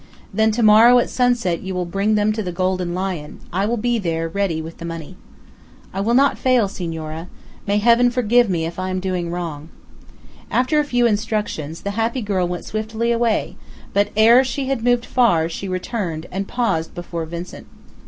"Then to morrow at sunset you will bring them to the Golden Lion, I will be there, ready with the money." "I will not fail, senora. May Heaven forgive me if I am doing wrong!" After a few instructions, the happy girl went swiftly away, but ere she had moved far, she returned, and paused before Vincent.